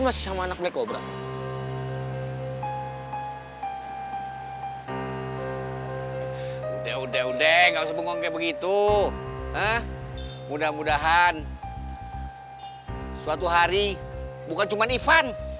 aku mau ke sana